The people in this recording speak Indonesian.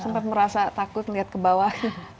sempat merasa takut lihat ke bawah